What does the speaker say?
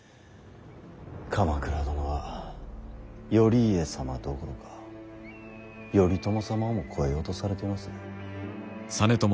鎌倉殿は頼家様どころか頼朝様をも超えようとされています。